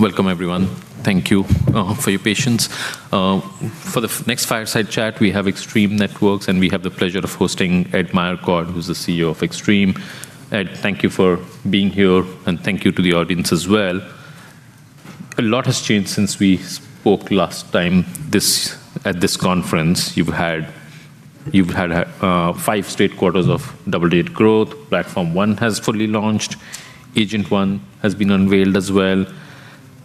Welcome everyone. Thank you for your patience. For the next fireside chat, we have Extreme Networks, and we have the pleasure of hosting Ed Meyercord, who's the CEO of Extreme. Ed, thank you for being here, and thank you to the audience as well. A lot has changed since we spoke last time at this conference. You've had five straight quarters of double-digit growth. Platform ONE has fully launched. Agent ONE has been unveiled as well.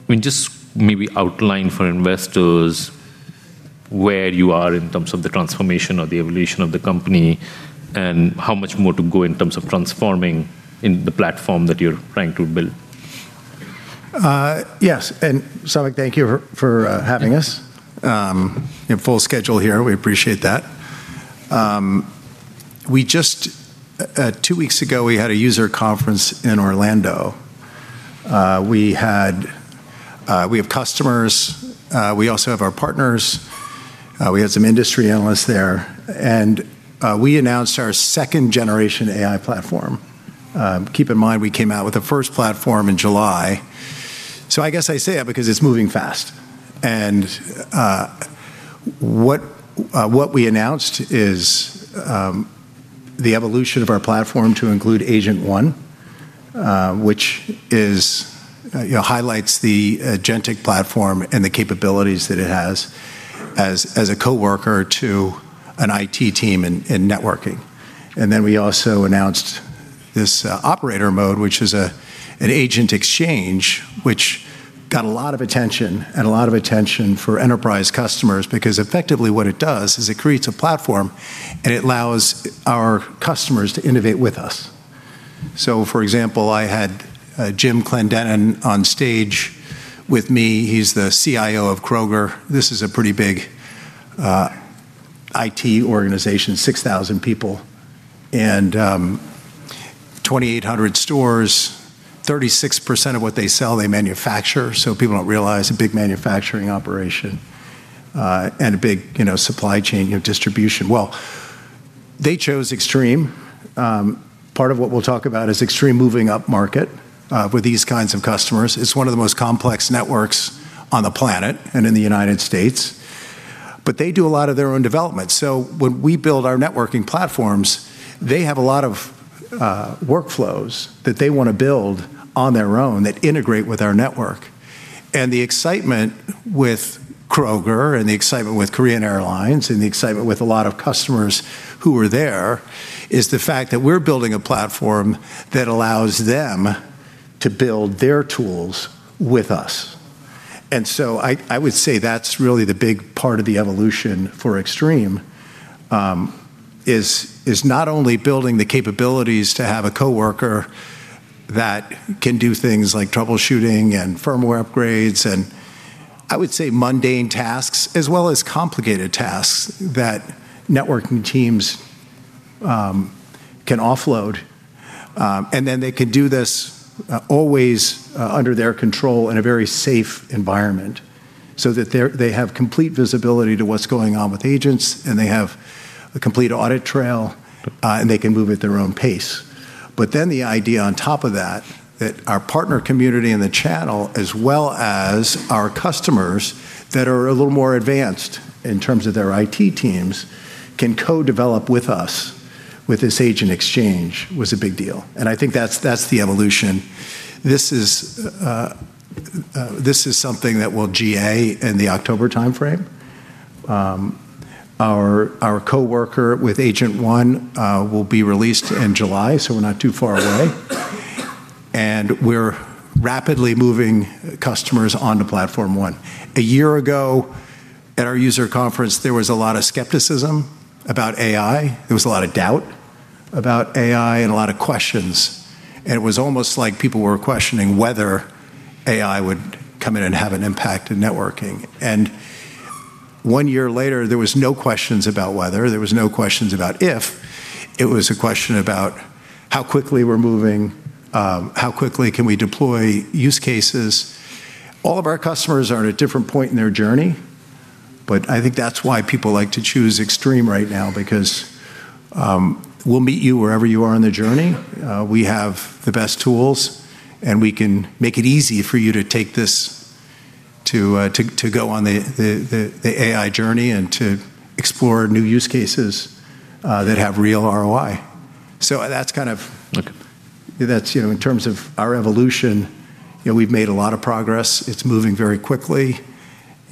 I mean, just maybe outline for investors where you are in terms of the transformation or the evolution of the company, and how much more to go in terms of transforming in the platform that you're trying to build. Yes, Samik, thank you for having us. You have full schedule here. We appreciate that. We just two weeks ago, we had a user conference in Orlando. We have customers, we also have our partners, we had some industry analysts there, we announced our second generation AI platform. Keep in mind, we came out with the first platform in July. I guess I say that because it's moving fast. What we announced is the evolution of our platform to include Agent ONE, which is, you know, highlights the agentic platform and the capabilities that it has as a coworker to an IT team in networking. We also announced this operator mode, which is an agent exchange, which got a lot of attention for enterprise customers. Effectively what it does is it creates a platform, and it allows our customers to innovate with us. For example, I had Jim Clendenen on stage with me. He's the CIO of Kroger. This is a pretty big IT organization, 6,000 people and 2,800 stores. 36% of what they sell, they manufacture, so people don't realize a big manufacturing operation, and a big, you know, supply chain, you know, distribution. They chose Extreme. Part of what we'll talk about is Extreme moving up market with these kinds of customers. It's one of the most complex networks on the planet and in the U.S. They do a lot of their own development. When we build our networking platforms, they have a lot of workflows that they wanna build on their own that integrate with our network. The excitement with Kroger and the excitement with Korean Air and the excitement with a lot of customers who were there is the fact that we're building a platform that allows them to build their tools with us. I would say that's really the big part of the evolution for Extreme, is not only building the capabilities to have a coworker that can do things like troubleshooting and firmware upgrades, and I would say mundane tasks, as well as complicated tasks that networking teams can offload. They can always do this under their control in a very safe environment, so that they have complete visibility to what's going on with agents, and they have a complete audit trail, and they can move at their own pace. The idea on top of that our partner community and the channel, as well as our customers that are a little more advanced in terms of their IT teams, can co-develop with us with this Extreme Exchange was a big deal, and I think that's the evolution. This is something that will GA in the October timeframe. Our coworker with Agent ONE will be released in July, so we're not too far away. We're rapidly moving customers onto Platform ONE. A year ago at our user conference, there was a lot of skepticism about AI. There was a lot of doubt about AI and a lot of questions. It was almost like people were questioning whether AI would come in and have an impact in networking. One year later, there was no questions about whether, there was no questions about if, it was a question about how quickly we're moving, how quickly can we deploy use cases. All of our customers are at a different point in their journey. I think that's why people like to choose Extreme right now because we'll meet you wherever you are in the journey. We have the best tools, we can make it easy for you to take this to go on the AI journey and to explore new use cases, that have real ROI. Okay. That's, you know, in terms of our evolution, you know, we've made a lot of progress. It's moving very quickly,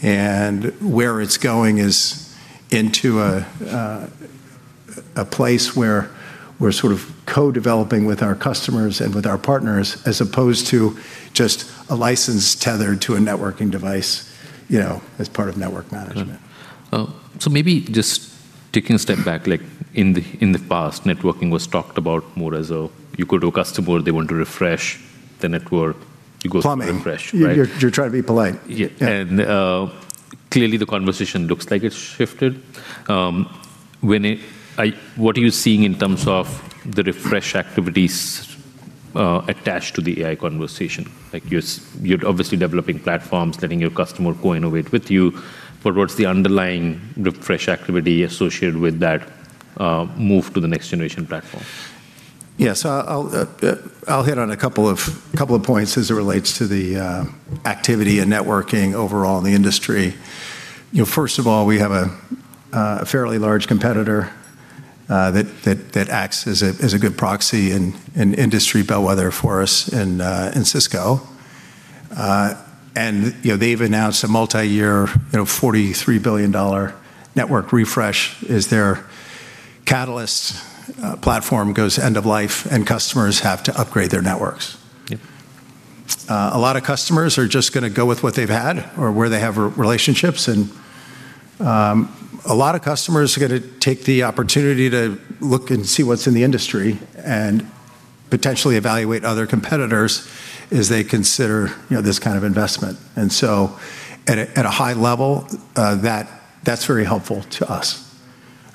and where it's going is into a place where we're sort of co-developing with our customers and with our partners as opposed to just a license tethered to a networking device, you know, as part of network management. Maybe just taking a step back, like in the past, networking was talked about more as a, you go to a customer, they want to refresh the network, you go to refresh, right? Plumbing. You're trying to be polite. Yeah. Clearly the conversation looks like it's shifted. When, what are you seeing in terms of the refresh activities attached to the AI conversation? Like you're obviously developing platforms, letting your customer co-innovate with you, but what's the underlying refresh activity associated with that move to the next-generation platform? Yeah, so I'll hit on a couple of points as it relates to the activity and networking overall in the industry. You know, first of all, we have a fairly large competitor that acts as a good proxy and an industry bellwether for us in Cisco. You know, they've announced a multi-year, you know, $43 billion network refresh as their Catalyst platform goes end of life and customers have to upgrade their networks. Yep. A lot of customers are just gonna go with what they've had or where they have relationships, a lot of customers are gonna take the opportunity to look and see what's in the industry and potentially evaluate other competitors as they consider, you know, this kind of investment. At a, at a high level, that's very helpful to us.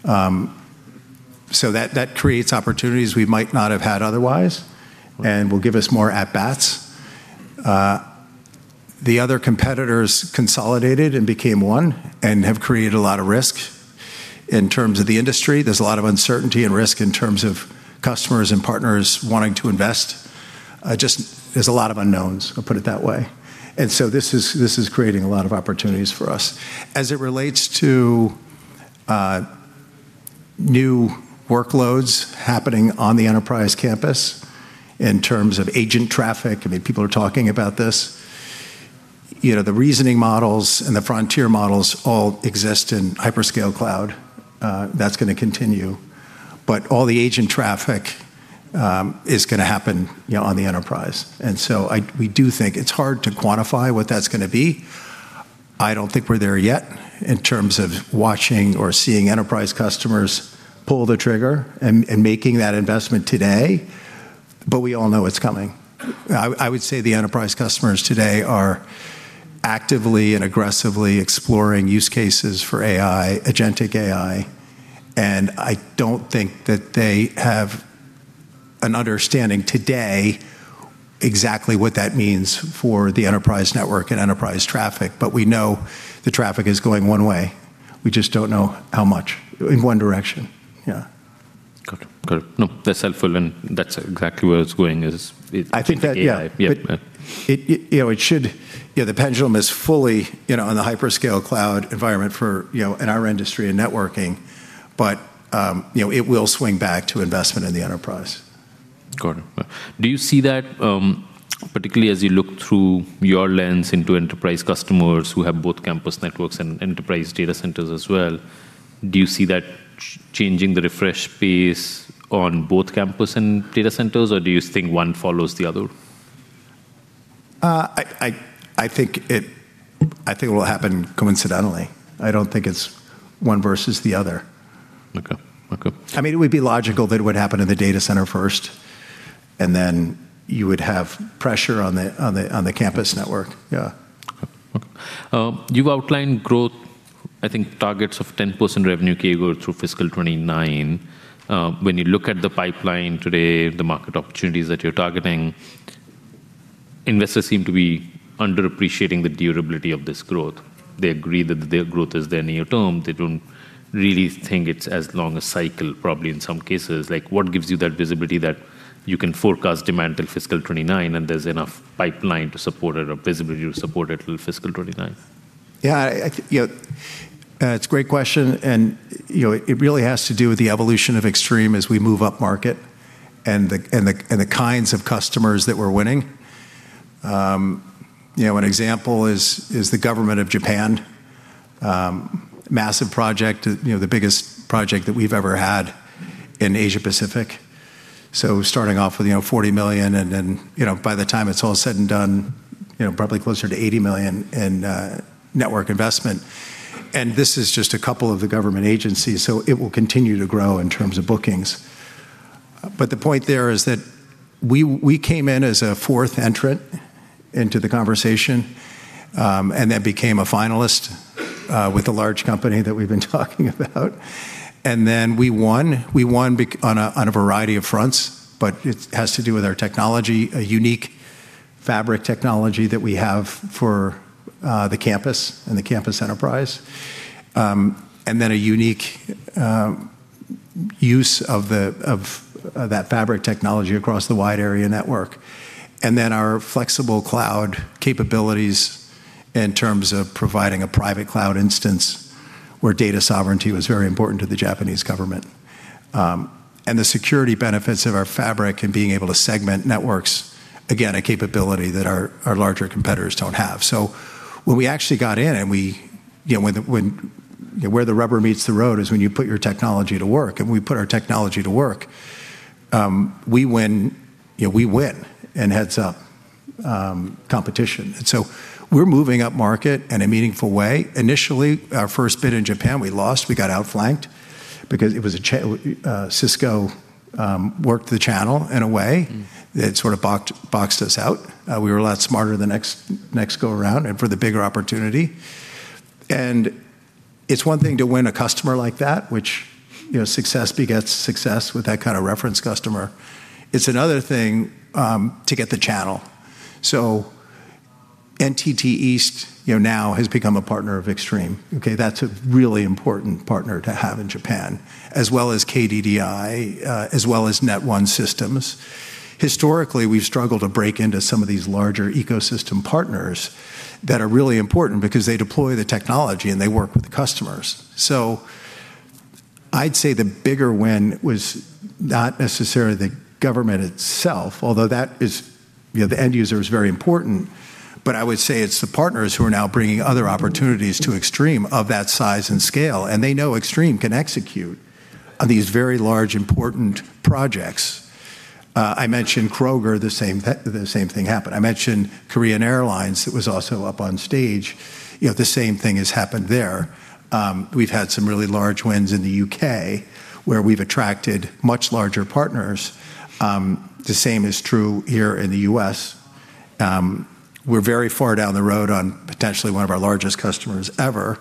That, that creates opportunities we might not have had otherwise. Right Will give us more at-bats. The other competitors consolidated and became one and have created a lot of risk in terms of the industry. There's a lot of uncertainty and risk in terms of customers and partners wanting to invest. Just there's a lot of unknowns, I'll put it that way. This is creating a lot of opportunities for us. As it relates to new workloads happening on the enterprise campus in terms of agent traffic, I mean, people are talking about this. You know, the reasoning models and the frontier models all exist in hyperscale cloud. That's gonna continue. All the agent traffic is gonna happen, you know, on the enterprise. We do think it's hard to quantify what that's gonna be. I don't think we're there yet in terms of watching or seeing enterprise customers pull the trigger and making that investment today, but we all know it's coming. I would say the enterprise customers today are actively and aggressively exploring use cases for AI, agentic AI, and I don't think that they have an understanding today exactly what that means for the enterprise network and enterprise traffic. We know the traffic is going one way. We just don't know how much, in one direction. Yeah. Got it. Got it. No, that's helpful, and that's exactly where it's going, is with the AI. I think that, yeah. It, you know, it should You know, the pendulum is fully, you know, on the hyperscale cloud environment for, you know, in our industry and networking. You know, it will swing back to investment in the enterprise. Got it. Do you see that, particularly as you look through your lens into enterprise customers who have both campus networks and enterprise data centers as well, do you see that changing the refresh pace on both campus and data centers, or do you think one follows the other? I think it will happen coincidentally. I don't think it's one versus the other. Okay. Okay. I mean, it would be logical that it would happen in the data center first, and then you would have pressure on the, on the, on the campus network. Yeah. Okay. You've outlined growth, I think targets of 10% revenue CAGR through fiscal 2029. When you look at the pipeline today, the market opportunities that you're targeting, investors seem to be underappreciating the durability of this growth. They agree that their growth is there near term. They don't really think it's as long a cycle, probably in some cases. Like, what gives you that visibility that you can forecast demand till fiscal 2029 and there's enough pipeline to support it or visibility to support it till fiscal 2029? Yeah, you know, it's a great question and, you know, it really has to do with the evolution of Extreme as we move up market and the kinds of customers that we're winning. You know, one example is the government of Japan. Massive project, you know, the biggest project that we've ever had in Asia-Pacific. Starting off with, you know, $40 million and then, you know, by the time it's all said and done, you know, probably closer to $80 million in network investment. This is just a couple of the government agencies, it will continue to grow in terms of bookings. The point there is that we came in as a fourth entrant into the conversation, and then became a finalist with a large company that we've been talking about. Then we won. We won on a variety of fronts, but it has to do with our technology, a unique fabric technology that we have for the campus and the campus enterprise. Then a unique use of that fabric technology across the wide area network. Then our flexible cloud capabilities in terms of providing a private cloud instance where data sovereignty was very important to the Japanese government. The security benefits of our fabric and being able to segment networks, again, a capability that our larger competitors don't have. When we actually got in and we, you know, when, you know, where the rubber meets the road is when you put your technology to work, and we put our technology to work. We win, you know, we win in heads-up competition. We're moving up market in a meaningful way. Initially, our first bid in Japan, we lost. We got outflanked because it was Cisco worked the channel in a way that sort of boxed us out. We were a lot smarter the next go around for the bigger opportunity. It's one thing to win a customer like that, which, you know, success begets success with that kind of reference customer. It's another thing to get the channel. NTT East, you know, now has become a partner of Extreme, okay? That's a really important partner to have in Japan, as well as KDDI, as well as Net One Systems. Historically, we've struggled to break into some of these larger ecosystem partners that are really important because they deploy the technology and they work with the customers. I'd say the bigger win was not necessarily the government itself, although that is, you know, the end user is very important. I would say it's the partners who are now bringing other opportunities to Extreme of that size and scale, and they know Extreme can execute on these very large important projects. I mentioned Kroger, the same thing happened. I mentioned Korean Air that was also up on stage. You know, the same thing has happened there. We've had some really large wins in the U.K. where we've attracted much larger partners. The same is true here in the U.S. We're very far down the road on potentially one of our largest customers ever,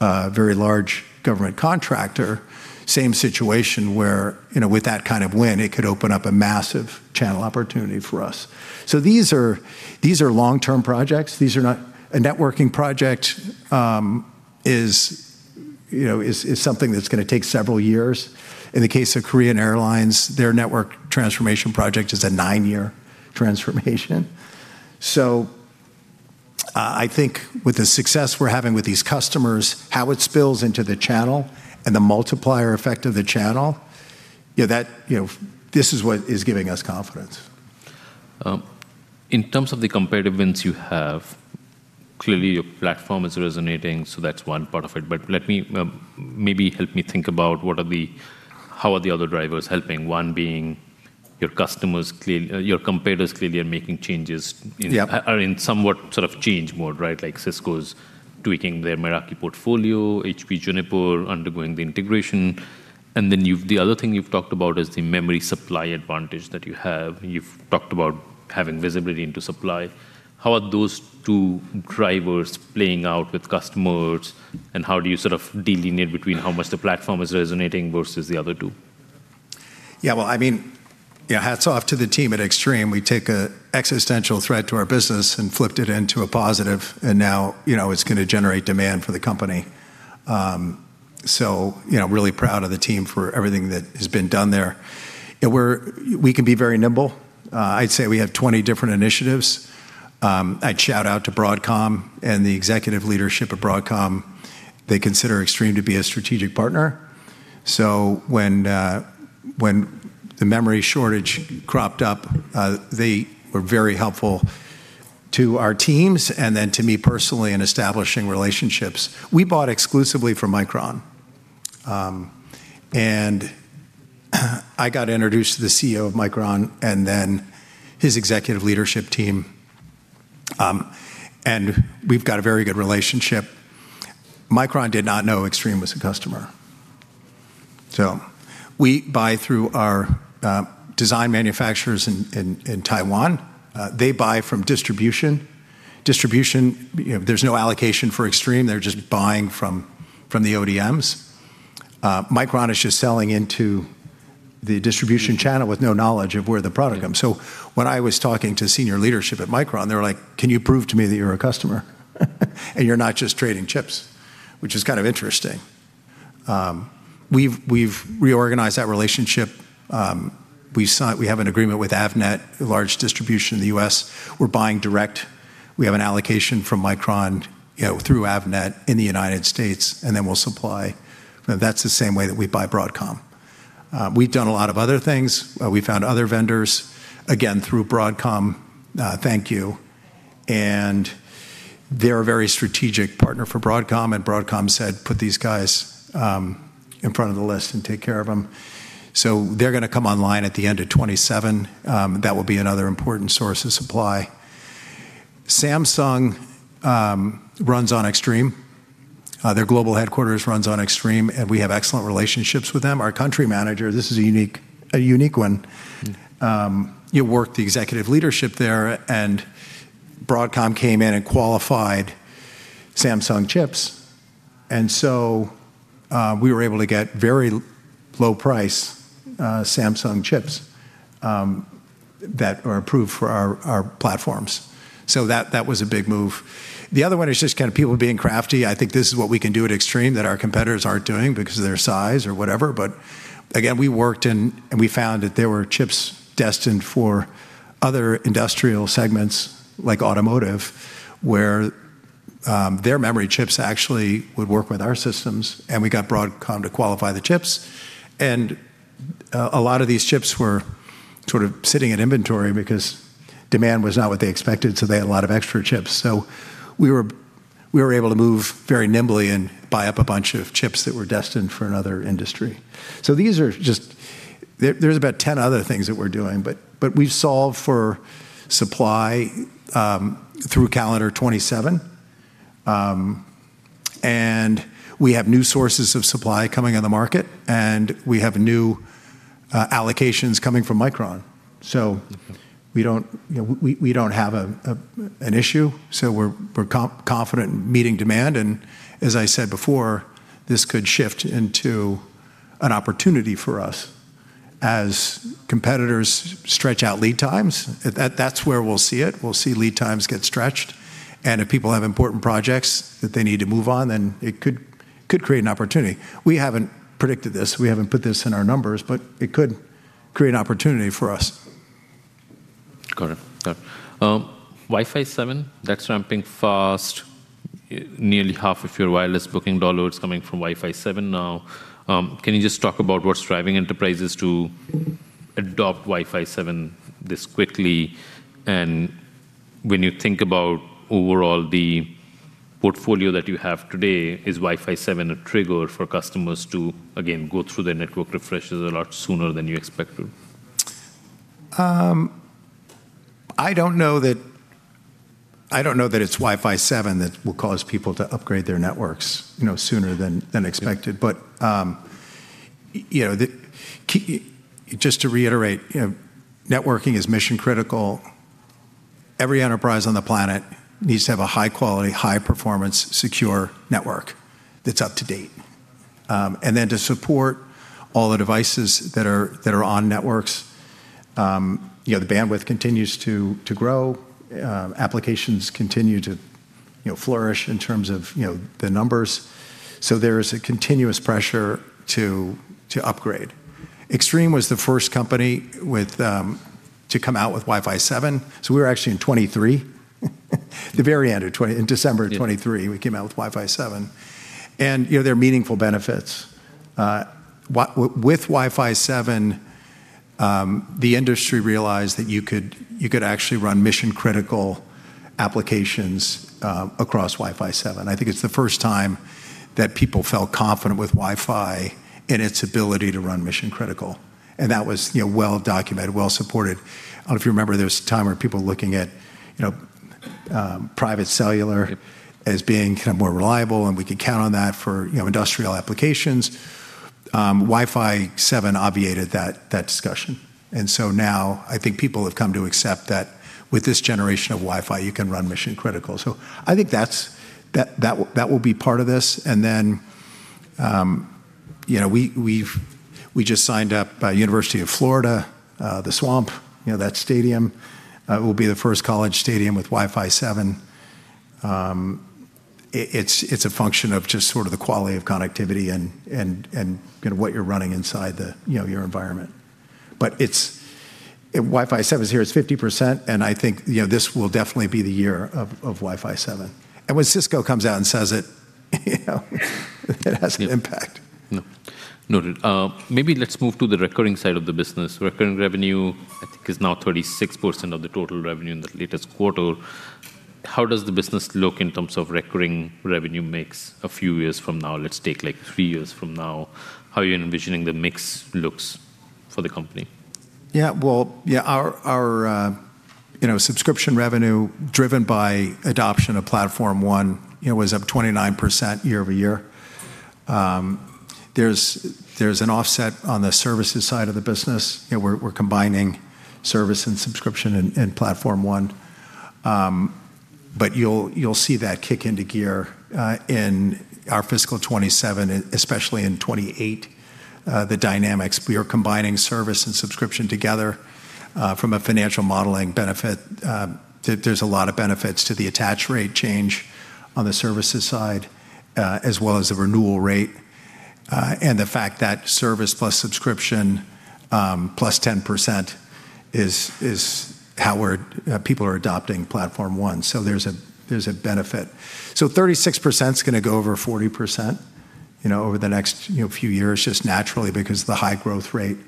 a very large government contractor. Same situation where, you know, with that kind of win, it could open up a massive channel opportunity for us. These are long-term projects. A networking project, you know, is something that's gonna take several years. In the case of Korean Air, their network transformation project is a nine-year transformation. I think with the success we're having with these customers, how it spills into the channel and the multiplier effect of the channel, that, you know, this is what is giving us confidence. In terms of the competitive wins you have, clearly your platform is resonating, so that's one part of it. Let me maybe help me think about how are the other drivers helping? One being your competitors clearly are making changes in- Yeah.... are in somewhat sort of change mode, right? Like Cisco's tweaking their Meraki portfolio, HPE Juniper undergoing the integration. The other thing you've talked about is the memory supply advantage that you have. You've talked about having visibility into supply. How are those two drivers playing out with customers, and how do you sort of delineate between how much the platform is resonating versus the other two? Yeah, well, hats off to the team at Extreme. We take a existential threat to our business and flipped it into a positive. Now, it's gonna generate demand for the company. Really proud of the team for everything that has been done there. We can be very nimble. I'd say we have 20 different initiatives. I'd shout out to Broadcom and the executive leadership at Broadcom. They consider Extreme to be a strategic partner. When the memory shortage cropped up, they were very helpful to our teams and then to me personally in establishing relationships. We bought exclusively from Micron. I got introduced to the CEO of Micron and then his executive leadership team. We've got a very good relationship. Micron did not know Extreme was a customer. We buy through our design manufacturers in, in Taiwan. They buy from distribution. Distribution, you know, there's no allocation for Extreme. They're just buying from the ODMs. Micron is just selling into the distribution channel with no knowledge of where the product comes. When I was talking to senior leadership at Micron, they were like, "Can you prove to me that you're a customer and you're not just trading chips?" Which is kind of interesting. We've reorganized that relationship. We have an agreement with Avnet, a large distribution in the U.S. We're buying direct. We have an allocation from Micron, you know, through Avnet in the United States, and then we'll supply. That's the same way that we buy Broadcom. We've done a lot of other things. We found other vendors, again, through Broadcom. Thank you. They're a very strategic partner for Broadcom, and Broadcom said, "Put these guys in front of the list and take care of them." They're gonna come online at the end of 2027. That will be another important source of supply. Samsung runs on Extreme. Their global headquarters runs on Extreme, and we have excellent relationships with them. Our country manager, this is a unique, a unique one. You work the executive leadership there, and Broadcom came in and qualified Samsung chips. We were able to get very low price, Samsung chips that are approved for our platforms. That, that was a big move. The other one is just kind of people being crafty. I think this is what we can do at Extreme that our competitors aren't doing because of their size or whatever. Again, we worked and we found that there were chips destined for other industrial segments like automotive, where their memory chips actually would work with our systems, and we got Broadcom to qualify the chips. A lot of these chips were sort of sitting in inventory because demand was not what they expected, so they had a lot of extra chips. We were able to move very nimbly and buy up a bunch of chips that were destined for another industry. These are just, there's about 10 other things that we're doing, but we've solved for supply through calendar 2027. We have new sources of supply coming on the market, and we have new allocations coming from Micron. We don't, you know, we don't have an issue, so we're confident in meeting demand. As I said before, this could shift into an opportunity for us. As competitors stretch out lead times, that's where we'll see it. We'll see lead times get stretched, and if people have important projects that they need to move on, then it could create an opportunity. We haven't predicted this, we haven't put this in our numbers, it could create an opportunity for us. Got it. Got it. Wi-Fi 7, that's ramping fast. Nearly half of your wireless booking dollar is coming from Wi-Fi 7 now. Can you just talk about what's driving enterprises to adopt Wi-Fi 7 this quickly? When you think about overall the portfolio that you have today, is Wi-Fi 7 a trigger for customers to, again, go through their network refreshes a lot sooner than you expect to? I don't know that, I don't know that it's Wi-Fi 7 that will cause people to upgrade their networks, you know, sooner than expected. You know, just to reiterate, you know, networking is mission-critical. Every enterprise on the planet needs to have a high-quality, high-performance, secure network that's up to date. To support all the devices that are on networks, you know, the bandwidth continues to grow. Applications continue to, you know, flourish in terms of, you know, the numbers. There is a continuous pressure to upgrade. Extreme was the first company with to come out with Wi-Fi 7, we were actually in 2023. The very end of December of 2023, we came out with Wi-Fi 7. You know, there are meaningful benefits. With Wi-Fi 7, the industry realized that you could actually run mission-critical applications across Wi-Fi 7. I think it's the first time that people felt confident with Wi-Fi and its ability to run mission-critical, and that was, you know, well documented, well supported. I don't know if you remember, there was a time where people looking at, you know, private cellular- Yep.... as being kind of more reliable, and we could count on that for, you know, industrial applications. Wi-Fi 7 obviated that discussion. Now I think people have come to accept that with this generation of Wi-Fi, you can run mission-critical. I think that's that will be part of this. We just signed up University of Florida, The Swamp, you know, that stadium, will be the first college stadium with Wi-Fi 7. It's a function of just sort of the quality of connectivity and kind of what you're running inside the, you know, your environment. Wi-Fi 7 is here, it's 50%, and I think, you know, this will definitely be the year of Wi-Fi 7. When Cisco comes out and says it, you know, it has an impact. No. Noted. Maybe let's move to the recurring side of the business. Recurring revenue I think is now 36% of the total revenue in the latest quarter. How does the business look in terms of recurring revenue mix a few years from now? Let's take, like, three years from now. How are you envisioning the mix looks for the company? Our, you know, subscription revenue driven by adoption of Platform ONE, you know, was up 29% year-over-year. There's an offset on the services side of the business. You know, we're combining service and subscription in Platform ONE. You'll see that kick into gear in our fiscal 2027, especially in 2028. We are combining service and subscription together from a financial modeling benefit. There's a lot of benefits to the attach rate change on the services side, as well as the renewal rate, and the fact that service plus subscription, +10% is how people are adopting Platform ONE, there's a benefit. 36% gonna go over 40%, you know, over the next, you know, few years just naturally because of the high growth rate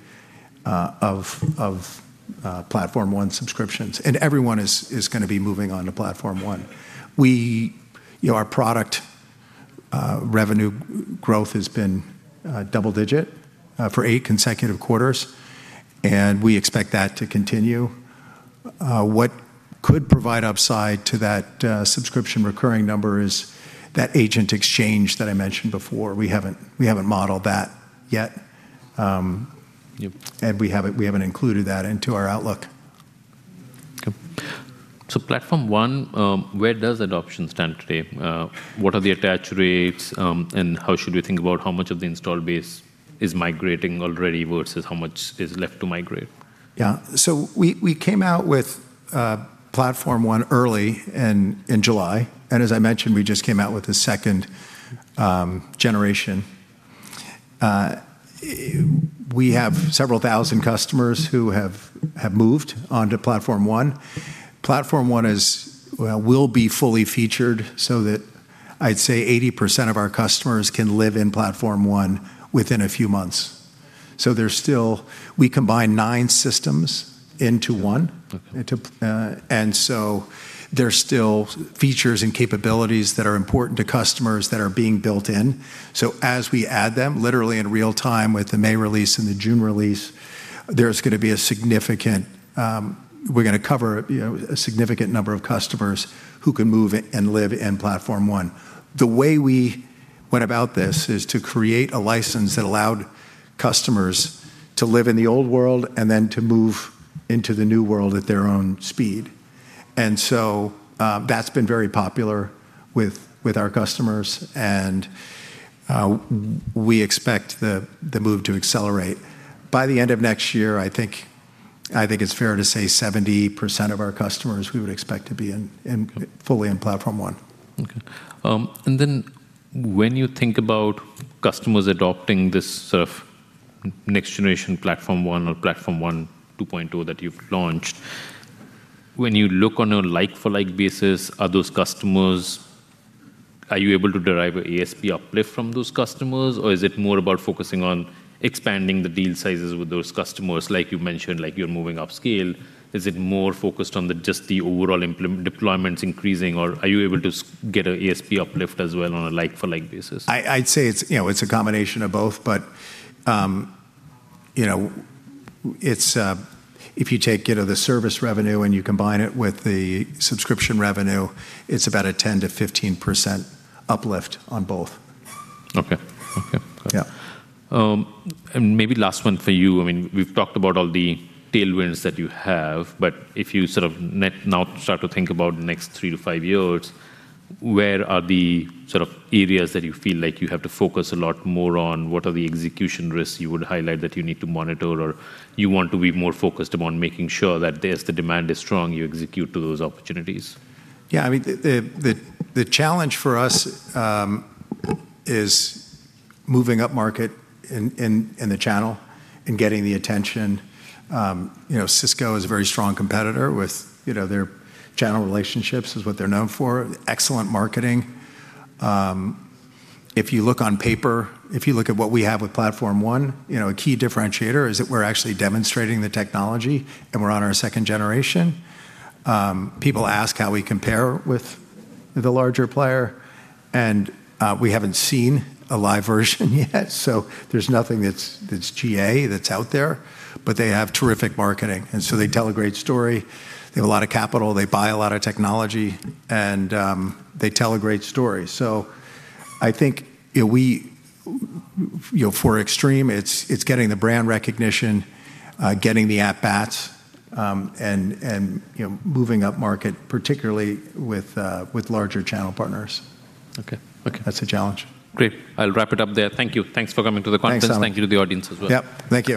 of Platform ONE subscriptions. Everyone is gonna be moving on to Platform ONE. We, you know, our product revenue growth has been double-digit for eight consecutive quarters, and we expect that to continue. What could provide upside to that subscription recurring number is that Extreme Exchange that I mentioned before. We haven't modeled that yet. Yep. We haven't included that into our outlook. Okay. Platform ONE, where does adoption stand today? What are the attach rates? How should we think about how much of the install base is migrating already versus how much is left to migrate? Yeah. We came out with Platform ONE early in July, and as I mentioned, we just came out with the second generation. We have several thousand customers who have moved onto Platform ONE. Platform ONE will be fully featured so that I'd say 80% of our customers can live in Platform ONE within a few months. We combine nine systems into one. Okay. There's still features and capabilities that are important to customers that are being built in. As we add them literally in real time with the May release and the June release, there's gonna be a significant, We're gonna cover a significant number of customers who can move and live in Platform ONE. The way we went about this is to create a license that allowed customers to live in the old world and then to move into the new world at their own speed. That's been very popular with our customers, and we expect the move to accelerate. By the end of next year, I think it's fair to say 70% of our customers we would expect to be fully in Platform ONE. Okay. Then when you think about customers adopting this sort of next-generation Platform ONE or Platform ONE 2.0 that you've launched, when you look on a like-for-like basis, are those customers? Are you able to derive an ASP uplift from those customers or is it more about focusing on expanding the deal sizes with those customers, like you mentioned, like you're moving upscale? Is it more focused on the just the overall deployments increasing or are you able to get an ASP uplift as well on a like-for-like basis? I'd say it's, you know, it's a combination of both, but, you know, if you take, you know, the service revenue and you combine it with the subscription revenue, it's about a 10%-15% uplift on both. Okay. Okay. Yeah. Maybe last one for you. I mean, we've talked about all the tailwinds that you have, if you sort of now start to think about next 3-5 years, where are the sort of areas that you feel like you have to focus a lot more on? What are the execution risks you would highlight that you need to monitor or you want to be more focused upon making sure that there's the demand is strong, you execute to those opportunities? Yeah. I mean, the challenge for us is moving upmarket in the channel and getting the attention. You know, Cisco is a very strong competitor with, you know, their channel relationships is what they're known for, excellent marketing. If you look on paper, if you look at what we have with Platform ONE, you know, a key differentiator is that we're actually demonstrating the technology and we're on our second generation. People ask how we compare with the larger player, we haven't seen a live version yet, so there's nothing that's GA that's out there. They have terrific marketing, they tell a great story. They have a lot of capital. They buy a lot of technology, they tell a great story. I think, you know, for Extreme, it's getting the brand recognition, getting the at-bats, and, you know, moving upmarket, particularly with larger channel partners. Okay. Okay. That's a challenge. Great. I'll wrap it up there. Thank you. Thanks for coming to the conference. Thanks, man. Thank you to the audience as well. Yep. Thank you.